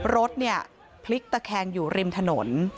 รถเนี่ยพลิกตะแคงอยู่ริมถนน